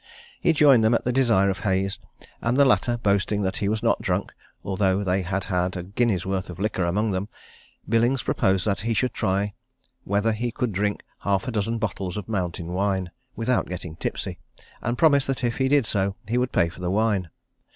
He joined them at the desire of Hayes and the latter boasting that he was not drunk, although they had had a guinea's worth of liquor among them, Billings proposed that he should try whether he could drink half a dozen bottles of mountain wine, without getting tipsy, and promised that if he did so, he would pay for the wine.